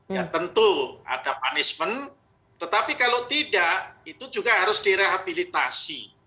ya tentu ada punishment tetapi kalau tidak itu juga harus direhabilitasi